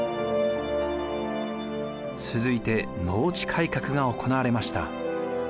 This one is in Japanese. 続いて農地改革が行われました。